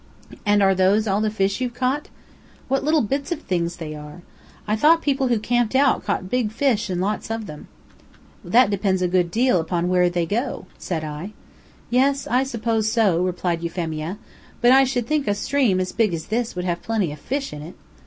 And are those all the fish you've caught? What little bits of things they are! I thought people who camped out caught big fish and lots of them?" "That depends a good deal upon where they go," said I. "Yes, I suppose so," replied Euphemia; "but I should think a stream as big as this would have plenty of fish in it.